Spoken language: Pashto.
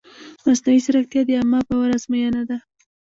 مصنوعي ځیرکتیا د عامه باور ازموینه ده.